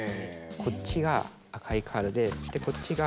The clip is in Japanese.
こっちが赤いカードでそしてこっちが。